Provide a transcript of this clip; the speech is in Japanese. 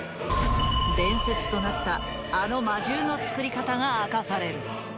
伝説となったあの魔獣の作り方が明かされる。